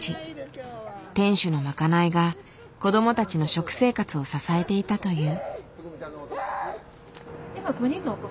店主の賄いが子どもたちの食生活を支えていたという。